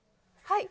はい。